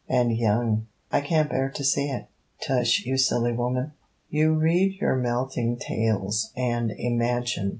and young! I can't bear to see it.' 'Tush, you silly woman. You read your melting tales, and imagine.